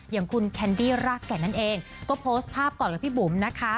อย่างคุณแคนดี้รากแก่นนั่นเองก็โพสต์ภาพก่อนกับพี่บุ๋มนะคะ